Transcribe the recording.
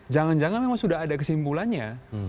jangan jangan memang sudah ada kesimpulannya